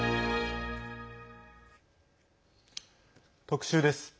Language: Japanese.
特集です。